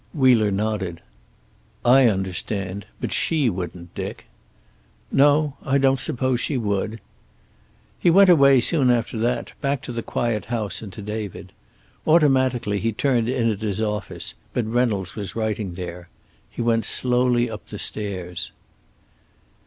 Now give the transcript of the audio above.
Wheeler nodded. "I understand. But she wouldn't, Dick." "No. I don't suppose she would." He went away soon after that, back to the quiet house and to David. Automatically he turned in at his office, but Reynolds was writing there. He went slowly up the stairs.